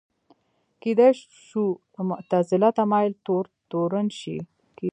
کېدای شو معتزله تمایل تور تورن شي